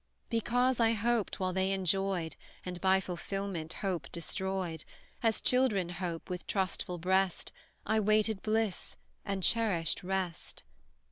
'Because, I hoped while they enjoyed, And by fulfilment, hope destroyed; As children hope, with trustful breast, I waited bliss and cherished rest.